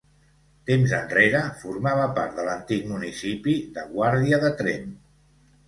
Temps enrere formava part de l'antic municipi de Guàrdia de Tremp.